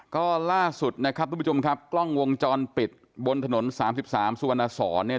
ก็ล่าสุดนะครับทุกผู้ชมครับกล้องวงจรปิดบนถนน๓๓สุวรรณสอนเนี่ย